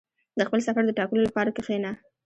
• د خپل سفر د ټاکلو لپاره کښېنه.